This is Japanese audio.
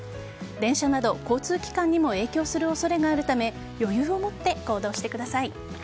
電車など、交通機関にも影響する恐れがあるため余裕をもって行動してください。